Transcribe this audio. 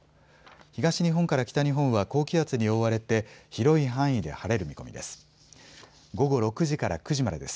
東日本から北日本は高気圧に覆われて広い範囲で晴れる見込みです。